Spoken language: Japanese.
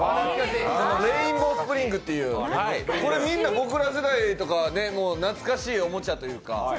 レインボースプリングという僕ら世代とかは懐かしいおもちゃというか。